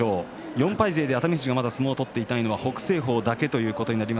４敗勢で熱海富士が、まだ相撲を取っていないのは北青鵬です。